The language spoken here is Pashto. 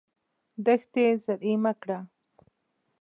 دښتې زرعي مه کړه.